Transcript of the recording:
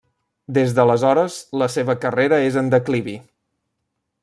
Des d’aleshores, la seva carrera és en declivi.